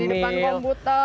di depan komputer